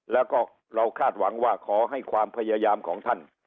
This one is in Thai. แล้วก็เราคาดหวังว่าขอให้ความพยายามของท่าน